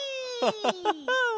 ハハハハ。